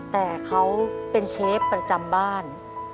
แต่เขาเป็นเชฟประจำบ้าน